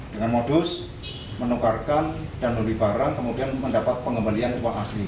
dengan modus menukarkan dan membeli barang kemudian mendapat pengembalian uang asli